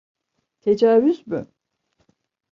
Tecavüz mü?